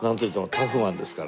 「タフマンですから」。